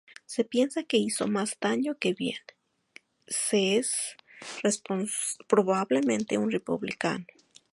Si se piensa que hizo más daño que bien, se es probablemente un Republicano".